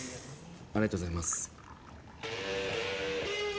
ありがとうございます。